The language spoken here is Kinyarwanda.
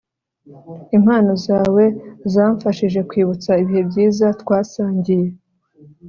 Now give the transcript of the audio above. impano zawe zamfashije kwibutsa ibihe byiza twasangiye